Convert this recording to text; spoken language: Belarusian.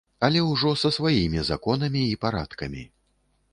Але ўжо са сваімі законамі і парадкамі.